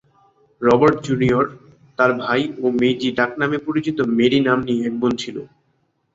Robert junior তার ভাই ও মেইজি ডাকনামে পরিচিত মেরি নাম্নী এক বোন ছিল।